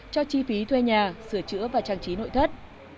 cho chi phí thuê nhà sửa chữa và trang trí nội thất